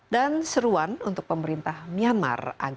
dan seruan untuk pemerintah myanmar